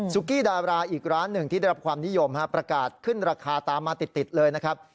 กี้ดาราอีกร้านหนึ่งที่ได้รับความนิยมประกาศขึ้นราคาตามมาติดเลยนะครับ